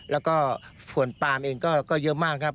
แล้วก็เผื้อนปลามเองก็เยอะมาก